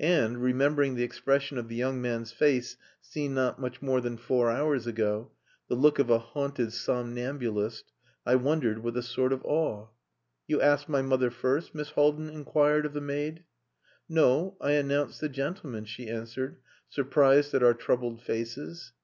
And, remembering the expression of the young man's face seen not much more than four hours ago, the look of a haunted somnambulist, I wondered with a sort of awe. "You asked my mother first?" Miss Haldin inquired of the maid. "No. I announced the gentleman," she answered, surprised at our troubled faces.